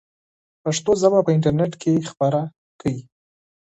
پښتو ژبه په انټرنیټ کې خپره کړئ.